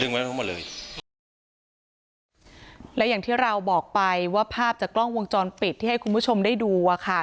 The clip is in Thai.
หมดเลยและอย่างที่เราบอกไปว่าภาพจากกล้องวงจรปิดที่ให้คุณผู้ชมได้ดูอ่ะค่ะ